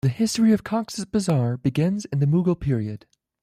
The history of Cox's Bazar begins in the Mughal period.